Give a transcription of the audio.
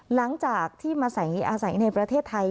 หลังจากที่มาอาศัยในประเทศไทย